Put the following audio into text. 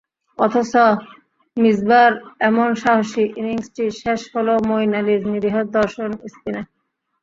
অথচ মিসবাহর এমন সাহসী ইনিংসটি শেষ হলো মঈন আলীর নিরীহ দর্শন স্পিনে।